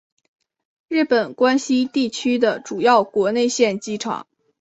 日本关西地区的主要国内线机场。